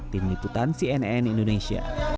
tim liputan cnn indonesia